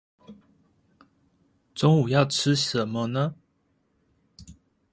中午要吃甚麼呢？